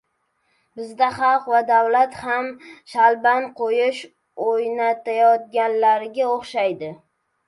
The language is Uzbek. Bizda xalq va davlat ham shalban qoʻyish oʻynayotganlarga oʻxshaydi.